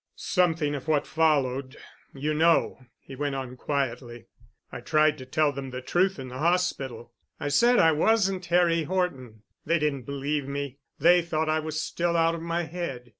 "Something of what followed, you know," he went on quietly. "I tried to tell them the truth in the hospital. I said I wasn't Harry Horton. They didn't believe me. They thought I was still out of my head.